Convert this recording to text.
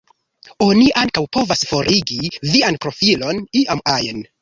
Oni ankaŭ povas "forigi" vian profilon iam ajn.